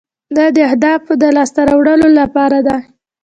دا د اهدافو د لاسته راوړلو لپاره دی.